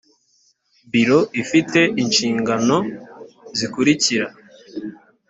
biro ifite inshingano zikurikira